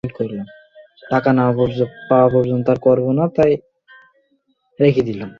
তার বাবা অমর নাথ শর্মা একজন সামরিক কর্মকর্তা ছিলেন।